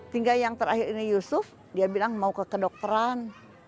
tinggal yang terakhir ini yusuf dia bilang mau ke kedokteran